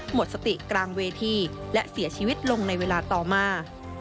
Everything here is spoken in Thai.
หมดสติกลางเวทีและเสียชีวิตลงในเวลาต่อมา